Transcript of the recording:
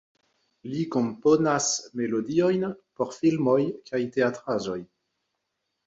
Li komponas melodiojn por filmoj kaj teatraĵoj.